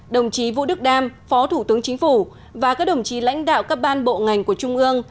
đồng chí vũ đức đam phó thủ tướng chính phủ và các đồng chí lãnh đạo các ban bộ ngành của trung ương